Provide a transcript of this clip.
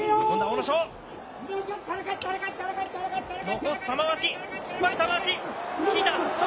残す玉鷲。